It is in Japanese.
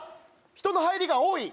人の入りが多い？